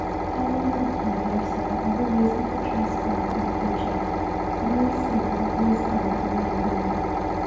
Have we not, my dear sir, every reason to trust God in future, when we see what he has done in Rangoon.